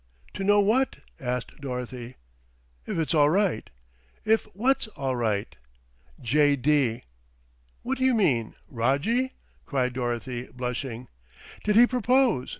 "To know what?" asked Dorothy. "If it's all right." "If what's all right?" "J. D." "What do you mean, Rojjie?" cried Dorothy, blushing. "Did he propose?